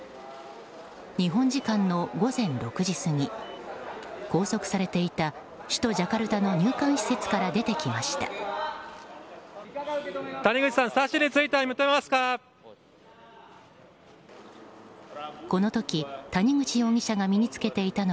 日本時間の午前６時過ぎ拘束されていた首都ジャカルタの入管施設から出てきました。